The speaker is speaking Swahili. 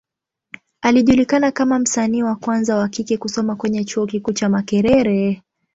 Alijulikana kama msanii wa kwanza wa kike kusoma kwenye Chuo kikuu cha Makerere.